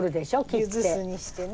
ゆず酢にしてね。